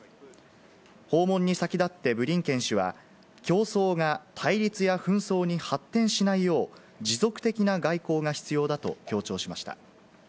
訪問に先立ってブリンケン氏は、競争が対立や紛争に発展しないよう、持続的な外交が必要だと強調しました。